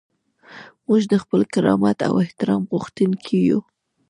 موږ د خپل کرامت او احترام غوښتونکي یو.